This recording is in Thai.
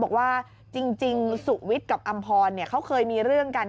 บอกว่าจริงจริงสุวิตกับอัมพรเนี้ยเขาเคยมีเรื่องกัน